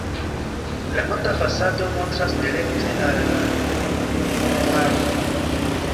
La norda fasado montras direkte al al parko.